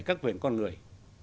các quyền con người